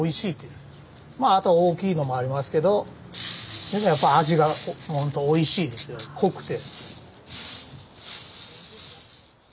まああとは大きいのもありますけど要するにやっぱ味がほんとおいしいですよ濃くて。